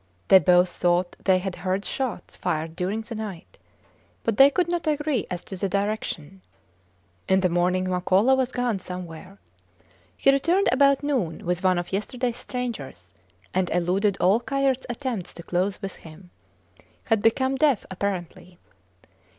They both thought they had heard shots fired during the night but they could not agree as to the direction. In the morning Makola was gone somewhere. He returned about noon with one of yesterdays strangers, and eluded all Kayerts attempts to close with him: had become deaf apparently.